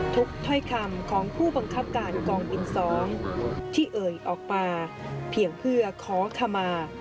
ถ้อยคำของผู้บังคับการกองบิน๒ที่เอ่ยออกมาเพียงเพื่อขอขมา